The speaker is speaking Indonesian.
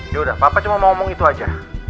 yaudah papa cuma mau ngomong itu aja